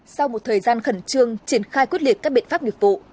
sau một thời gian khẩn trương triển khai quyết liệt các biện pháp nghiệp vụ